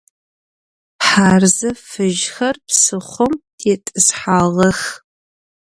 Хьарзэ фыжьхэр псыхъом тетӏысхьагъэх.